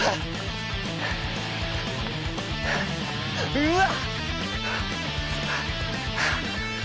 うわっ！